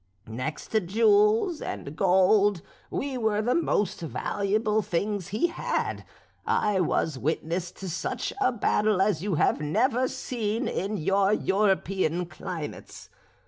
Next to jewels and gold we were the most valuable things he had. I was witness to such a battle as you have never seen in your European climates.